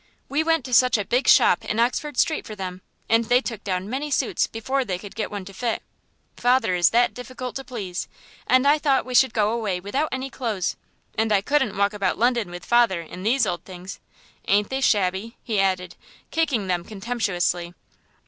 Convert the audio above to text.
"We went to such a big shop in Oxford Street for them, and they took down many suits before they could get one to fit. Father is that difficult to please, and I thought we should go away without any clothes, and I couldn't walk about London with father in these old things. Aren't they shabby?" he added, kicking them contemptuously.